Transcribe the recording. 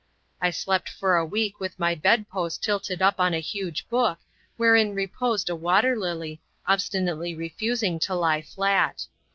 I slept for a week with my bed post tilted up on a huge book, wherein reposed a water lily, obstinately refusing to lie flat.